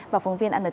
phóng viên ntv đã có